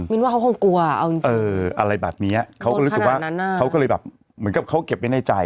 ว่าเขาคงกลัวเอาจริงอะไรแบบนี้เขาก็รู้สึกว่าเขาก็เลยแบบเหมือนกับเขาเก็บไว้ในใจ